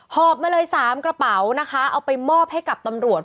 อบมาเลย๓กระเป๋านะคะเอาไปมอบให้กับตำรวจ